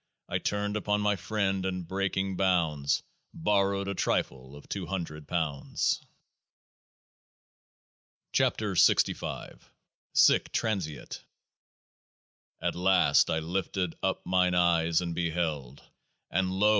I turned upon my friend, and, breaking bounds, Borrowed a trifle of two hundred pounds. 81 KEOAAH SE SIC TRANSEAT " At last I lifted up mine eyes, and beheld ; and lo